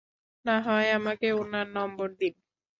নাহয় আমাকে উনার নম্বর দিন।